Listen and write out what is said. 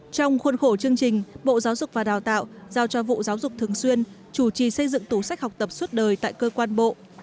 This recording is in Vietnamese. trong khuôn khổ chương trình bộ giáo dục và đào tạo giao cho vụ giáo dục thường xuyên chủ trì xây dựng tủ sách học tập suốt đời tại cơ quan bộ